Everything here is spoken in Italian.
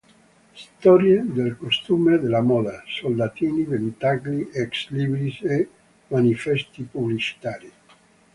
Storie del costume e della moda, soldatini, ventagli, ex libris e manifesti pubblicitari.